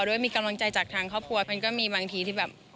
ด้วยมีกำลังใจจากทางครอบครัวแพนก็มีบางทีที่แบบ